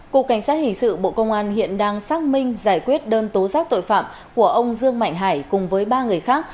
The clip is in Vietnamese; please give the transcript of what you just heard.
cục cảnh sát hình sự bộ công an hiện đang xác minh giải quyết đơn tố giác tội phạm của ông dương mạnh hải cùng với ba người khác